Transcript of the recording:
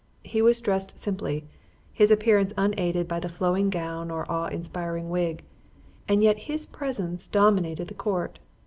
He was dressed simply, his appearance unaided by the flowing gown or awe inspiring wig, and yet his presence dominated the court.